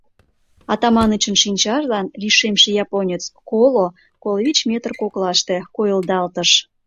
Атаманычын шинчажлан лишемше японец коло-коло вич метр коклаште койылдалтыш.